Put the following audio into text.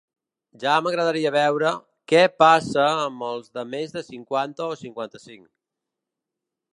Ja m’agradaria veure què passa amb els de més de cinquanta o cinquanta-cinc.